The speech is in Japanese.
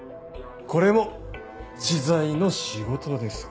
これも知財の仕事です。